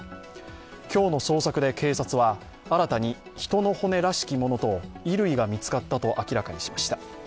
今日の捜索で警察は、新たに人の骨らしきものと衣類が見つかったと明らかにしました。